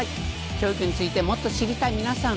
教育についてもっと知りたい皆さん。